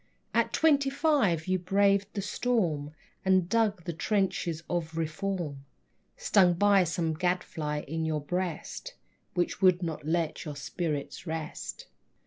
At twenty five you braved the storm And dug the trenches of Reform, Stung by some gadfly in your breast Which would not let your spirit rest.